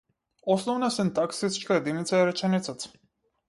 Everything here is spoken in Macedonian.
Основна синтаксичка единица е реченицата.